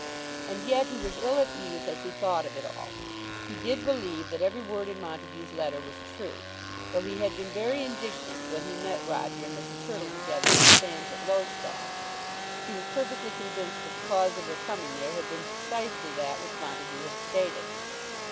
And yet he was ill at ease as he thought of it all. He did believe that every word in Montague's letter was true. Though he had been very indignant when he met Paul and Mrs. Hurtle together on the sands at Lowestoft, he was perfectly convinced that the cause of their coming there had been precisely that which Montague had stated.